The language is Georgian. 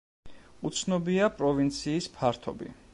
უცნობია პროვინციის ფართობი.